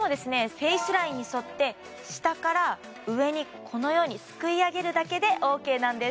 フェイスラインに沿って下から上にこのようにすくい上げるだけでＯＫなんです